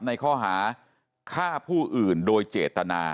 ในข้อหาฆ่าผู้อื่นโดยเจตนา